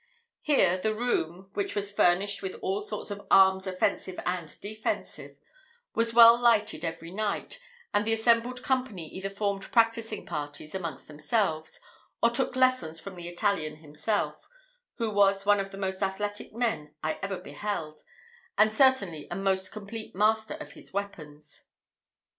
Here the room, which was furnished with all sorts of arms offensive and defensive, was well lighted every night, and the assembled company either formed practising parties amongst themselves, or took lessons from the Italian himself, who was one of the most athletic men I ever beheld, and certainly a most complete master of his weapons.